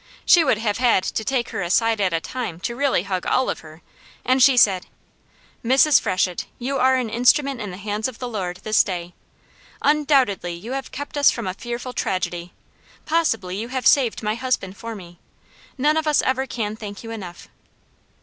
She would have had to take her a side at a time to really hug all of her, and she said: "Mrs. Freshett, you are an instrument in the hands of the Lord this day. Undoubtedly you have kept us from a fearful tragedy; possibly you have saved my husband for me. None of us ever can thank you enough."